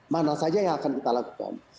mana saja yang akan kita lakukan